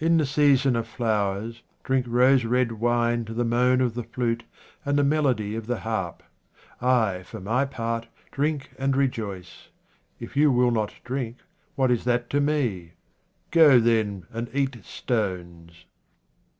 In the season of flowers, drink rose red wine to 76 QUATRAINS OF OMAR KHAYYAM the moan of the flute and the melody of the harp. I, for my part, drink and rejoice. If you will not drink, what is that to me ? Go, then, and eat stones.